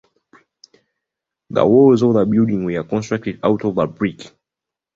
The walls of the building were constructed out of brick.